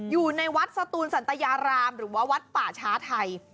อยู่ในวัดสตูนสันตยารามหรือว่าวัดป่าช้าไทย